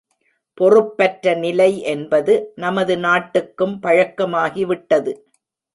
பொறுப்பற்ற நிலை என்பது நமது நாட்டுக்கும் பழக்கமாகிவிட்டது.